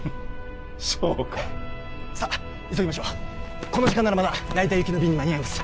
そうかさっ急ぎましょうこの時間ならまだ成田行きの便に間に合います